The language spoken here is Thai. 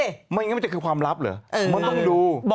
ไม่งั้นมันจะคือความลับเหรอมันต้องดู